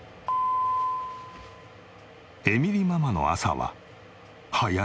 エミリママの朝は早い。